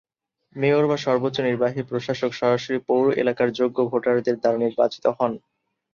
Mayor বা সর্বোচ্চ নির্বাহী প্রশাসক সরাসরি পৌর এলাকার যোগ্য ভোটারদের দ্বারা নির্বাচিত হন।